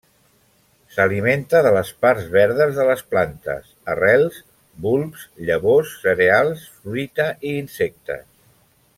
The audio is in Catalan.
S'alimenta de les parts verdes de les plantes, arrels, bulbs, llavors, cereals, fruita i insectes.